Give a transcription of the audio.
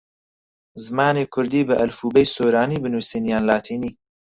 زمانی کوردی بە ئەلفوبێی سۆرانی بنووسین یان لاتینی؟